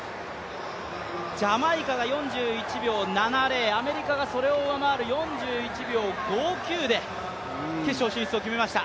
ジャマイカが４１秒７０、アメリカがそれを上回る４１秒５９で決勝進出を決めました。